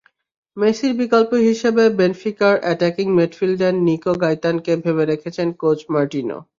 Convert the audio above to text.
মেসির বিকল্প হিসেবে বেনফিকার অ্যাটাকিং মিডফিল্ডার নিকো গাইতানকে ভেবে রেখেছেন কোচ মার্টিনো।